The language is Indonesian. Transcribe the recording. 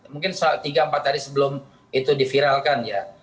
mungkin tiga empat hari sebelum itu diviralkan ya